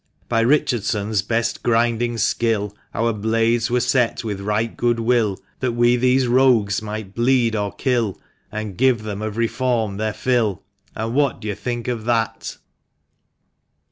By Richardson's best grinding skill Our blades were set with right good will, That we these rogues might bleed or kill, And " give them of Reform their fill !" And what d'ye think of that?